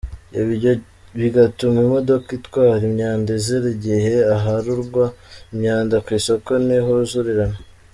Ibyo bigatuma imodoka itwara imyanda izira igihe aharundwa imyanda ku isoko ntihuzurirane.